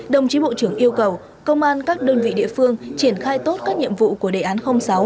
đồng chí bộ trưởng yêu cầu công an các đơn vị địa phương triển khai tốt các nhiệm vụ của đề án sáu